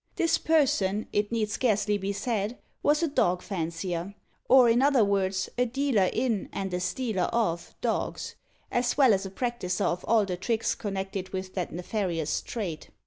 This person, it need scarcely be said, was a dog fancier, or, in other words, a dealer in, and a stealer of, dogs, as well as a practiser of all the tricks connected with that nefarious trade.